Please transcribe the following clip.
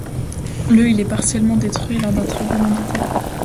Le il est partiellement détruit lors d'un tremblement de terre.